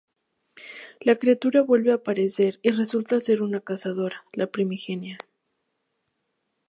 La criatura vuelve a aparecer y resulta ser una cazadora, la Primigenia.